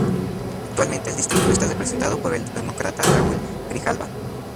Actualmente el distrito está representado por el Demócrata Raúl Grijalva.